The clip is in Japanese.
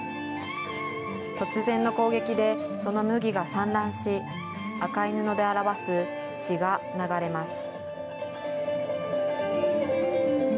突然の攻撃でその麦が散乱し、赤い布で表す血が流れます。